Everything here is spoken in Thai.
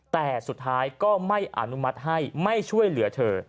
แต่สุดท้ายก็ไม่อนุมัติให้ไม่ช่วยเหลือเธอ